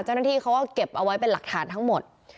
เจ้าหน้าที่เขาก็เก็บเอาไว้เป็นหลักฐานทั้งหมด